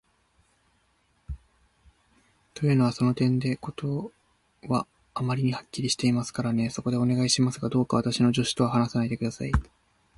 というのは、その点では事はあまりにはっきりしていますからね。そこで、お願いしますが、どうか私の助手とは話をしないで下さい。